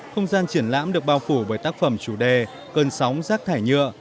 không gian triển lãm được bao phủ với tác phẩm chủ đề cơn sóng rác thải nhựa